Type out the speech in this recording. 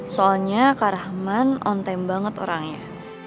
soalnya kak rahman on time banget orangnya